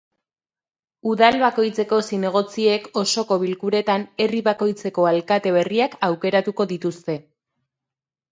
Udal bakoitzeko zinegotziek, osoko bilkuretan, herri bakoitzeko alkate berriak aukeratuko dituzte.